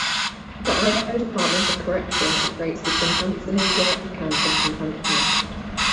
The Idaho Department of Correction operates the Saint Anthony Work Camp in Saint Anthony.